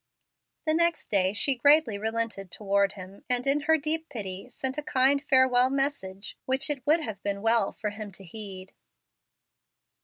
The next day she greatly relented toward him, and, in her deep pity, sent a kind farewell message which it would nave been well for him to heed.